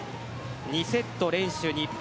２セット連取、日本。